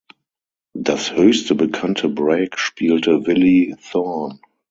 Das höchste bekannte Break spielte Willie Thorne.